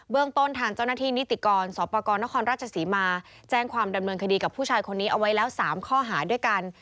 เรื่องต้นทางเจ้าหน้าที่นิติกรสอบประกอบนครราชศรีมาแจ้งความดำเนินคดีกับผู้ชายคนนี้เอาไว้แล้ว๓ข้อหาด้วยกัน